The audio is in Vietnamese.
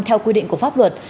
theo quy định của pháp luật